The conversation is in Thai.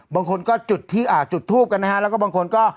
บางคนก็จุดที่จุดทูบกันนะฮะแล้วก็บางคนก็